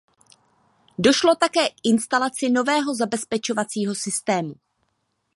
Došlo také k instalaci nového zabezpečovacího systému.